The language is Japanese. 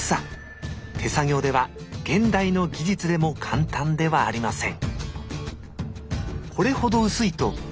手作業では現代の技術でも簡単ではありません。